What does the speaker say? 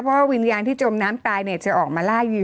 เพราะว่าวิญญาณที่จมน้ำตายเนี่ยจะออกมาล่ายืน